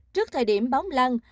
trước thời điểm bóng lăng